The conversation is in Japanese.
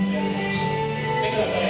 ・来てください。